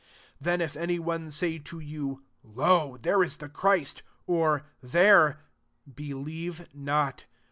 23 ^ Then if any one say # you, * Lo! here is the Christ <* there ;' believe not.